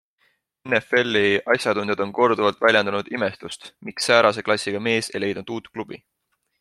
NFLi asjatundjad on korduvalt väljendanud imestust, miks säärase klassiga mees ei leidnud uut klubi.